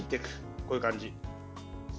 こういう感じ。